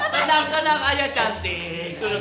tenang tenang aja cantik